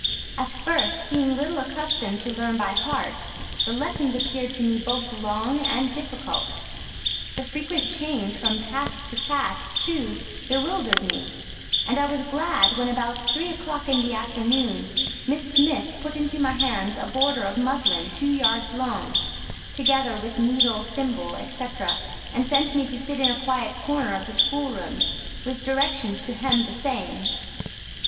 At first, being little accustomed to learn by heart, the lessons appeared to me both long and difficult; the frequent change from task to task, too, bewildered me; and I was glad when, about three o'clock in the afternoon, Miss Smith put into my hands a border of muslin two yards long, together with needle, thimble, &c., and sent me to sit in a quiet corner of the schoolroom, with directions to hem the same.